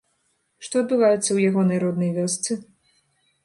Што адбываецца ў ягонай роднай вёсцы?